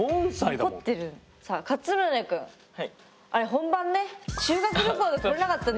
本番ね修学旅行で来れなかったんだよね。